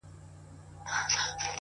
پرون دي بيا راڅه خوښي يووړله!!